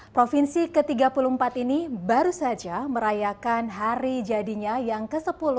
provinsi ke tiga puluh empat ini baru saja merayakan hari jadinya yang ke sepuluh